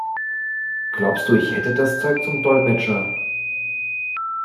Glaubst du, ich hätte das Zeug zum Dolmetscher?